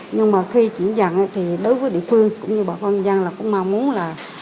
nhưng mà khi chuyển dần thì đối với địa phương cũng như bà con dân là cũng mong muốn là